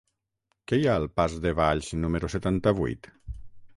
Què hi ha al pas de Valls número setanta-vuit?